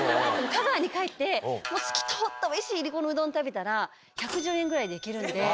香川に帰って、透き通った、いりこのうどん食べたら、１１０円ぐらいでいけるんで。